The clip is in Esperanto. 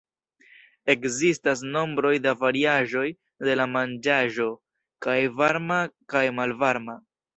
Ekzistas nombro da variaĵoj de la manĝaĵo, kaj varma kaj malvarma.